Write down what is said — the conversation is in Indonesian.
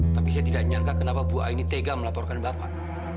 tapi saya tidak nyangka kenapa bu aini tega melaporkan bapak